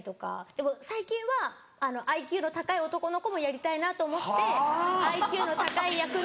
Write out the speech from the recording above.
でも最近はＩＱの高い男の子もやりたいなと思ってＩＱの高い役の。